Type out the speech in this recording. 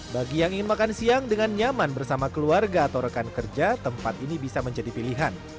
bagi yang ingin makan siang dengan nyaman bersama keluarga atau rekan kerja tempat ini bisa menjadi pilihan